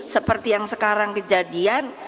seperti yang sekarang kejadian